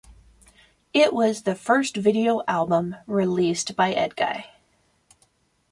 It was the first video album released by Edguy.